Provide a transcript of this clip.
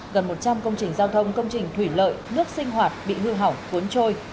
gần một trăm linh công trình giao thông công trình thủy lợi nước sinh hoạt bị hư hỏng cuốn trôi